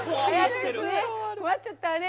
困っちゃったわね。